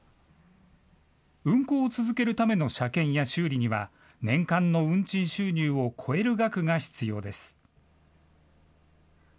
運行を続けるための車検や修理には、年間の運賃収入を超える額が必要です。